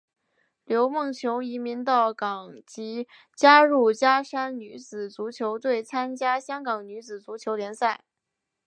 刘梦琼移民到港即加入加山女子足球队参加香港女子足球联赛。